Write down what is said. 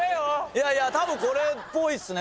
いやいやたぶんこれっぽいっすね。